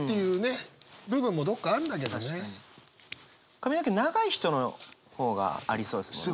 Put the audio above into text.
髪の毛長い人の方がありそうですもんね。